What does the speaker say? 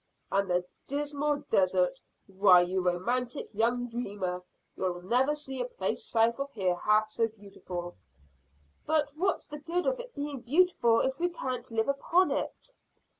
"And the dismal desert. Why, you romantic young dreamer! You'll never see a place south of here half so beautiful." "But what's the good of its being beautiful if we can't live upon it?"